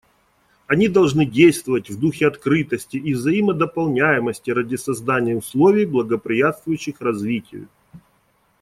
Они должны действовать в духе открытости и взаимодополняемости ради создания условий, благоприятствующих развитию.